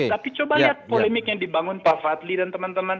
tapi coba lihat polemik yang dibangun pak fadli dan teman teman